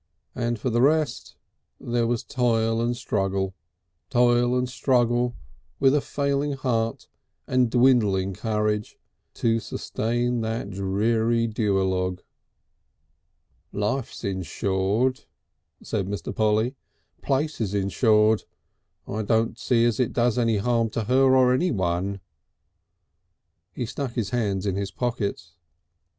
And for the rest there was toil and struggle, toil and struggle with a failing heart and dwindling courage, to sustain that dreary duologue. "Life's insured," said Mr. Polly; "place is insured. I don't see it does any harm to her or anyone." He stuck his hands in his pockets.